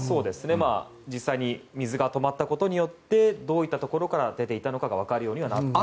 実際に水が止まったことによってどういったところから出ていたのかが分かるようにはなった。